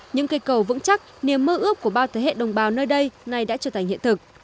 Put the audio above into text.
những cây cầu vững chắc niềm mơ ước của bao thế hệ đồng bào nơi đây này đã trở thành hiện thực